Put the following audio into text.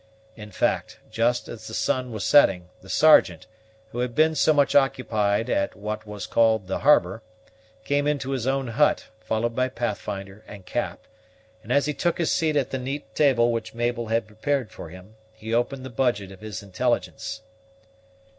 In fact, just as the sun was setting, the Sergeant, who had been much occupied at what was called the harbor, came into his own hut, followed by Pathfinder and Cap; and as he took his seat at the neat table which Mabel had prepared for him, he opened the budget of his intelligence.